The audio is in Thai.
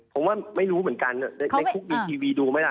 ผมว่าไม่รู้เหมือนกันในคุกมีทีวีดูไหมล่ะ